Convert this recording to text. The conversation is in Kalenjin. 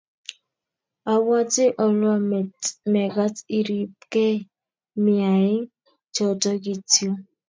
abwoti alw mekat iribkei miaing, choto kityo